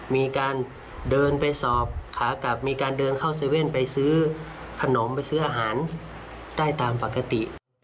มีการเดินไปสอบขากลับมีการเดินเข้าเว่นไปซื้อขนมไปซื้ออาหารได้ตามปกติ